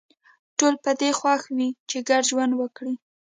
ټول په دې خوښ وي چې ګډ ژوند وکړي